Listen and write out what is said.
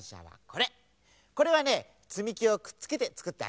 これはねつみきをくっつけてつくってあるんだ。